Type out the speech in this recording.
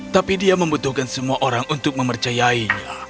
tapi dia membutuhkan semua orang untuk mempercayainya